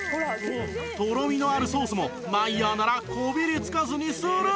とろみのあるソースもマイヤーならこびりつかずにスルン！